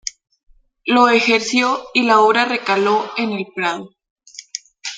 Lo ejerció y la obra recaló en el Prado.